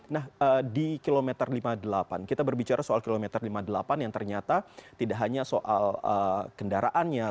nah di kilometer lima puluh delapan kita berbicara soal kilometer lima puluh delapan yang ternyata tidak hanya soal kendaraannya